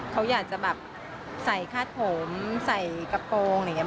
เขาอยากจะแบบใส่คาดผมใส่กระโปรงอะไรอย่างนี้